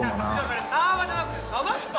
それサーバーじゃなくて鯖っすよ！